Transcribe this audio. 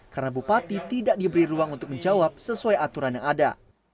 karena bupati tidak diberi ruang untuk menjawab sesuai aturan yang ada